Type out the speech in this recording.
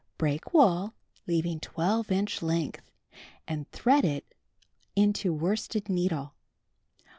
Break wool (leaving 12 inch length) and thread it into worsted needle.